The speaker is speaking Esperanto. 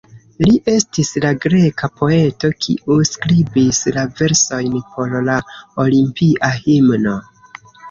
Li estis la greka poeto kiu skribis la versojn por la Olimpia Himno.